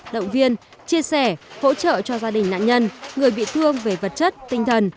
động viên chia sẻ hỗ trợ cho gia đình nạn nhân người bị thương về vật chất tinh thần